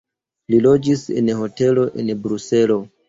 Li loĝis en hotelo en Bruselo.